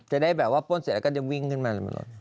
จะได้แบบว่าป้นเสร็จแล้วก็จะวิ่งขึ้นมาเลย